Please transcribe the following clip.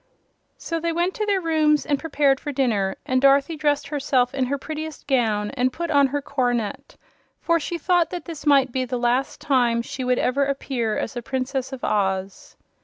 So they went to their rooms and prepared for dinner, and Dorothy dressed herself in her prettiest gown and put on her coronet, for she thought that this might be the last time she would ever appear as a Princess of Oz.